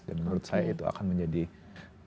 dan menurut saya itu akan menjadi fad fad